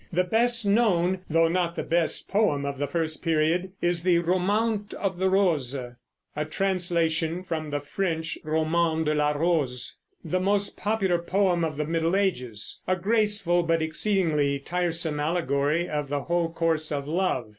The best known, though not the best, poem of the first period is the Romaunt of the Rose, a translation from the French Roman de la Rose, the most popular poem of the Middle Ages, a graceful but exceedingly tiresome allegory of the whole course of love.